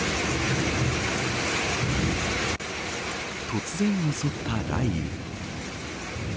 突然襲った雷雨。